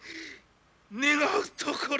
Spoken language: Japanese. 願うところ。